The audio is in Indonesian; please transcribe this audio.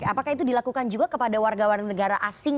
apakah itu dilakukan juga kepada warga warga negara asing